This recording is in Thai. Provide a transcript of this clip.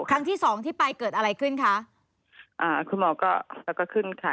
ครั้งที่สองที่ไปเกิดอะไรขึ้นคะอ่าคุณหมอก็แล้วก็ขึ้นค่ะ